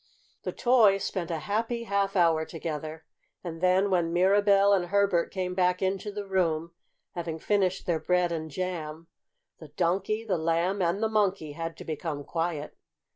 The toys spent a happy half hour together, and then when Mirabell and Herbert came back into the room, having finished their bread and jam, the Donkey, the Lamb, and the Monkey had to become quiet.